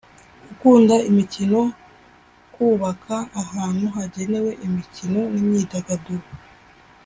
gukunda imikino kubaka ahantu hagenewe imikino n imyidagaduro